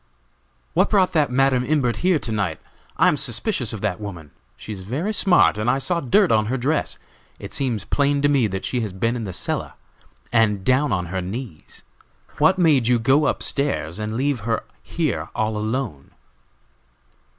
"What brought that Madam Imbert here to night? I am suspicious of that woman. She is very smart, and I saw dirt on her dress. It seems plain to me that she has been in the cellar, and down on her knees. What made you go up stairs and leave her here all alone?"